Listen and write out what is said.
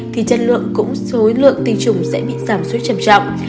thì chất lượng cũng số lượng tình trùng sẽ bị giảm xuất trầm trọng